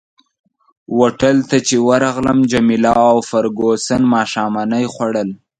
هوټل ته چي ورغلم جميله او فرګوسن ماښامنۍ خوړل.